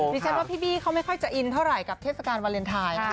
ดิฉันว่าพี่บี้เขาไม่ค่อยจะอินเท่าไหร่กับเทศกาลวาเลนไทย